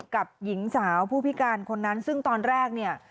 กับหญิงสาวผู้พิการคนนั้นซึ่งตอนแรกเนี่ย